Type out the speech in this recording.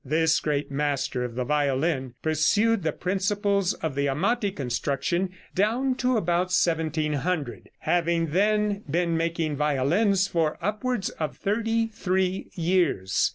This great master of the violin pursued the principles of the Amati construction down to about 1700, having then been making violins for upwards of thirty three years.